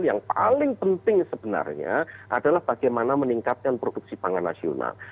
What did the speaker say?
yang paling penting sebenarnya adalah bagaimana meningkatkan produksi pangan nasional